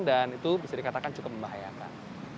dan itu bisa dikatakan cukup membahayakan